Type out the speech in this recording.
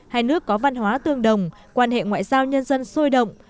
hai nước có văn hóa tương đồng quan hệ ngoại giao nhân dân sôi động